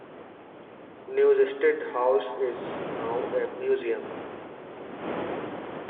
Newstead House is now a museum.